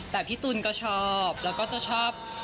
แต่พี่ตูนก็ชอบแล้วก็จะชอบ